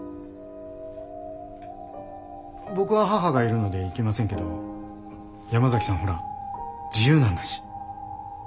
僕は母がいるので行けませんけど山崎さんほら自由なんだし。